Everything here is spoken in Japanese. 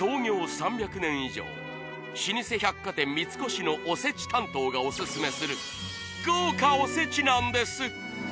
３００年以上老舗百貨店三越のおせち担当がおすすめする豪華おせちなんです